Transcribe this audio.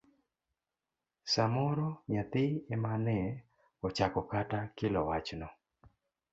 samoro nyathi emane ochako kata kelo wachno.